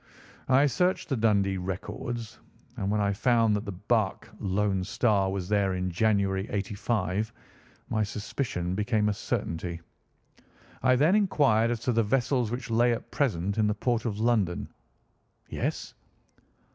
"I searched the Dundee records, and when I found that the barque Lone Star was there in January, '85, my suspicion became a certainty. I then inquired as to the vessels which lay at present in the port of London." "Yes?"